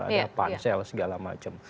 ada pansel segala macem